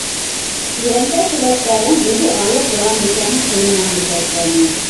Көйәнтә-силәктәрен үҙе алып, Яланбикәне ҡулынан етәкләне.